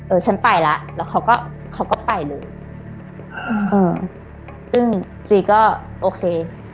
ฉันไปแล้วแล้วเขาก็เขาก็ไปเลยเออซึ่งจีก็โอเค